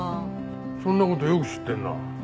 そんな事よく知ってるな。